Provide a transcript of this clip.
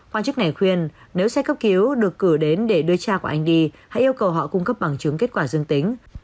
quan chức này khuyên nếu xe cấp cứu được cử đến để đưa cha của anh đi hãy yêu cầu họ cung cấp bằng chứng kết quả dương tính